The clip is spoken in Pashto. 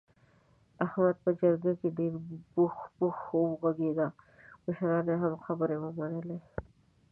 احمد په جرګه کې ډېر پوخ پوخ و غږېدا مشرانو یې هم خبرې ومنلې.